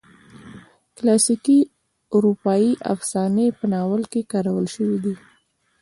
کلاسیکي اروپایي افسانې په ناول کې کارول شوي دي.